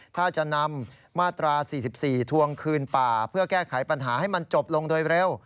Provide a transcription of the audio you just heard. ถ้าจะนำมาตรา๔๔ทวงคืนป่าเพื่อแก้ไขปัญหาให้มันจบลงโดยเร็ว